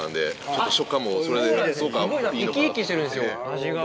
すごい何か生き生きしてるんですよ味が。